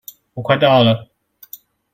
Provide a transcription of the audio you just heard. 我快到了